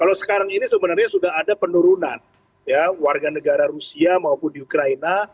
kalau sekarang ini sebenarnya sudah ada penurunan ya warga negara rusia maupun di ukraina